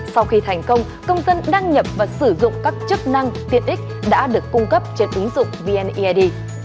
sau khi thành công công dân đăng nhập và sử dụng các chức năng tiện ích đã được cung cấp trên ứng dụng vneid